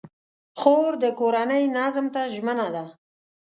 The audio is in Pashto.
خور د کورنۍ نظم ته ژمنه ده.